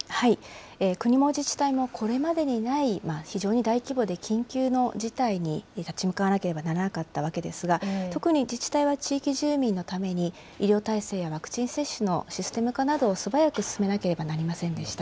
国も自治体も、これまでにない、非常に大規模で緊急の事態に立ち向かわなければならなかったわけですが、特に自治体は地域住民のために、医療体制やワクチン接種のシステム化などを素早く進めなければなりませんでした。